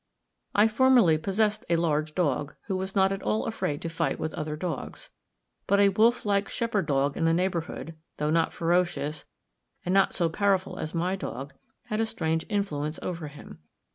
I formerly possessed a large dog who was not at all afraid to fight with other dogs; but a wolf like shepherd dog in the neighbourhood, though not ferocious and not so powerful as my dog, had a strange influence over him.